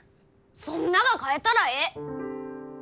そんなが変えたらえい！